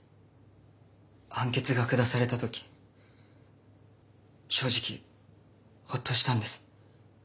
判決が下された時正直ホッとしたんです。